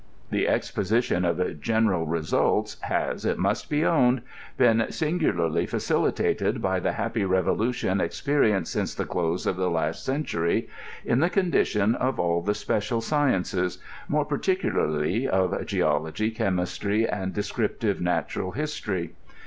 The es^ositionof general results has, it must be owiaed, been singularly facilitated by the happy fevolutioa experienced since the dose of the last eeatary, in the condition <^ all the special sciaiees, more particularly of geology, dbemistry, and descrip tive natural history.